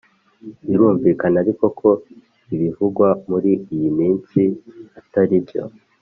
Birumvikana ariko ko ibivugwa muri iyi minsi ataribyo